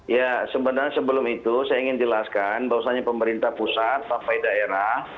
ya sebenarnya sebelum itu saya ingin jelaskan bahwasannya pemerintah pusat sampai daerah